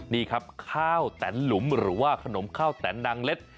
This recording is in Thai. นี่ครับข้าวแตนหลุมหรือว่าขนมข้าวแตนนางเล็ด